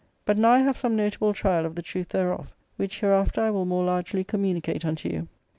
But now I have some notable trial of the truth thereof, which hereafter I will more largely communicate unto you.